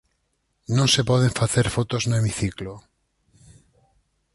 Non se poden facer fotos no hemiciclo.